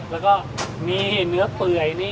แล้วก็มีเนื้อเปื่อยนี่